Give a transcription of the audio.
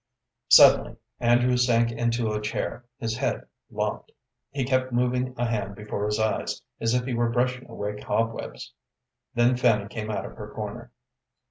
Suddenly Andrew sank into a chair, his head lopped, he kept moving a hand before his eyes, as if he were brushing away cobwebs. Then Fanny came out of her corner.